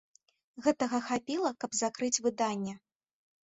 Гэтага хапіла, каб закрыць выданне.